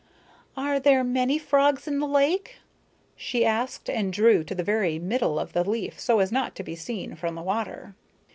"Are there many frogs in the lake?" she asked and drew to the very middle of the leaf so as not to be seen from the water.